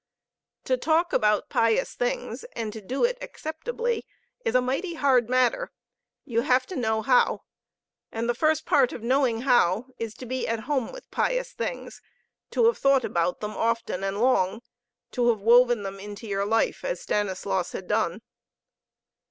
To talk about pious things, and do it acceptably, is a mighty hard matter. You have to know how. And the first part of knowing how is to be at home with pious things, to have thought about them, often and long, to have woven them into your life as Stanislaus had done.